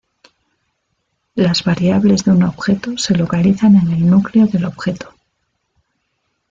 Las variables de un objeto se localizan en el núcleo del objeto.